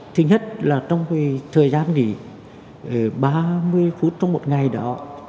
thứ nhất là trong thời gian nghỉ ba mươi phút trong một ngày đó